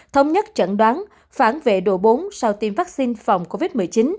thống nhất chẩn đoán phản vệ độ bốn sau tiêm vaccine phòng covid một mươi chín